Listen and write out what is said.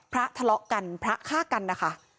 ทะเลาะกันพระฆ่ากันนะคะ